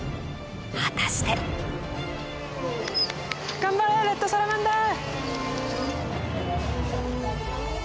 果たして頑張れレッドサラマンダー。